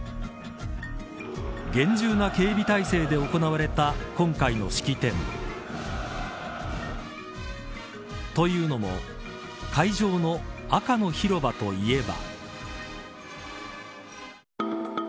厳重な警備体制で行われた今回の式典。というのも会場の赤の広場といえば。